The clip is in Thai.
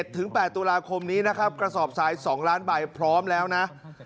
ถึง๘ตุลาคมนี้นะครับกระสอบทราย๒ล้านใบพร้อมแล้วนะ